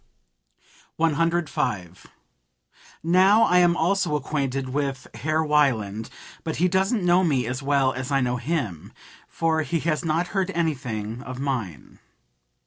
105. "Now I am also acquainted with Herr Wieland; but he doesn't know me as well as I know him, for he has not heard anything of mine.